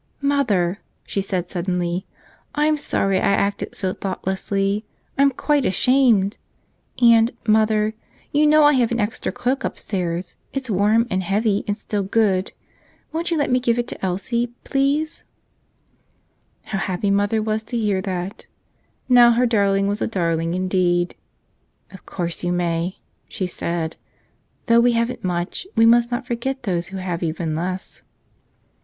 "Mother," she said suddenly, "I'm sorry I acted so thoughtlessly. I'm quite ashamed ! And, mother — you know I have an extra cloak upstairs. It's warm and heavy and still good. Won't you let me give it to Elsie, please?" 142 The Christmas Cloak How happy mother was to hear that! Now her darling was a darling indeed. "Of course, you may," she said. "Though we haven't much, we must not forget those who have even less."